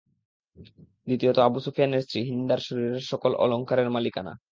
দ্বিতীয়ত আবু সুফিয়ানের স্ত্রী হিন্দার শরীরের সকল অলঙ্কারের মালিকানা।